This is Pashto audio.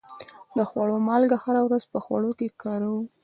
د خوړو مالګه هره ورځ په خوړو کې کاروو.